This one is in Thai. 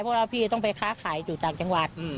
เพราะว่าพี่ต้องไปค้าขายอยู่ต่างจังหวัด